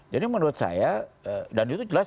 jadi menurut saya dan itu jelas